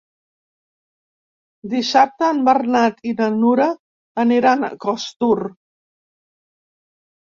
Dissabte en Bernat i na Nura aniran a Costur.